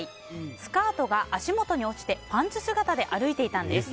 スカートが足元に落ちてパンツ姿で歩いていたんです。